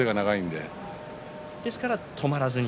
ですから止まらずに。